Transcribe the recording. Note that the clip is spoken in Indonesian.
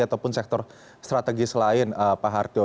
ataupun sektor strategis lain pak harjo